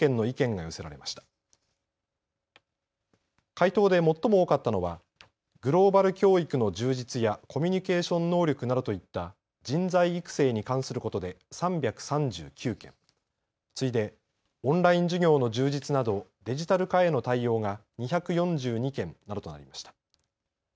回答で最も多かったのはグローバル教育の充実やコミュニケーション能力などといった人材育成に関することで３３９件、次いでオンライン授業の充実などデジタル化への対応が２４２件などとなりました。